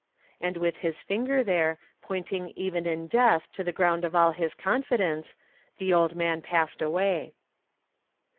And with his finger there, pointing even in death to the ground of all his confidence, the old man passed away.